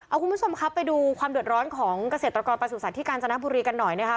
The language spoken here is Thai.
เอาคุณผู้ชมครับไปดูความเดือดร้อนของเกษตรกรประสุทธิ์กาญจนบุรีกันหน่อยนะคะ